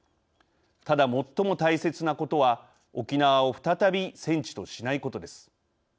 ただ最も大切なことは沖縄を再び戦地としないことです。